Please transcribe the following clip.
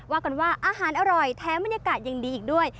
ว่ากันว่าอาหารอร่อยแถมบรรยากาศยังดีอีกด้วย